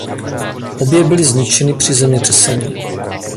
Obě byly zničeny při zemětřesení.